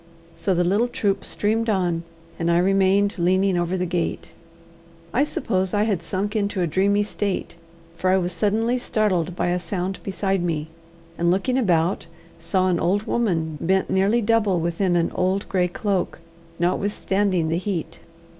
So the little troop streamed on, and I remained leaning over the gate. I suppose I had sunk into a dreamy state, for I was suddenly startled by a sound beside me, and looking about, saw an old woman, bent nearly double within an old grey cloak, notwithstanding the heat.